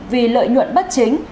vì lợi nhuận bất chính